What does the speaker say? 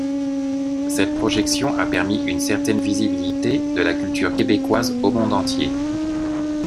Cette projection a permis une certaine visibilité de la culture québécoise au monde entier.